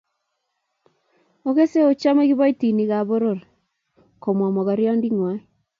Ogese ochome kiboitinikan poror komwa mogornonditngwai